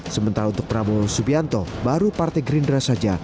sementara untuk prabowo subianto baru partai gerindra saja